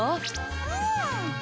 うん！